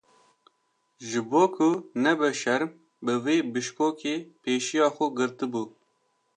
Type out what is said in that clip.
Ji bo ku nebe şerm bi wê bişkokê pêşiya xwe girtibû.